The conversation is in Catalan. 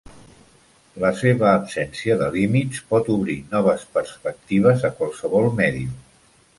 La seva absència de límits pot obrir noves perspectives a qualsevol mèdium.